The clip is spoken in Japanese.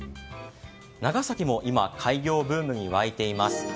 長崎も今開業ブームに沸いています。